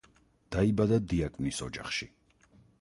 დაიბადა დიაკვნის ოჯახში.